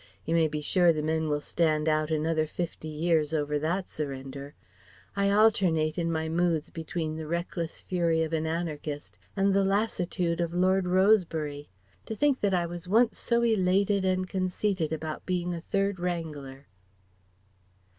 You may be sure the men will stand out another fifty years over that surrender. I alternate in my moods between the reckless fury of an Anarchist and the lassitude of Lord Rosebery. To think that I was once so elated and conceited about being a Third Wrangler...!"